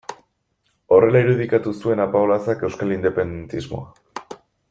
Horrela irudikatu zuen Apaolazak euskal independentismoa.